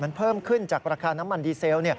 มันเพิ่มขึ้นจากราคาน้ำมันดีเซล